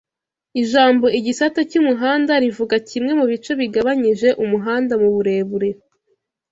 Ijambo igisate cy'umuhanda rivuga kimwe mu bice bigabanyije umuhanda mu burebure